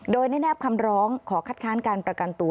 โดยได้แนบคำร้องขอคัดค้านการประกันตัว